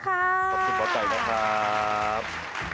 ขอบคุณหมอไก่นะครับ